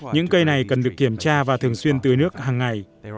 những cây này cần được kiểm tra và thường xuyên tưới nước hằng ngày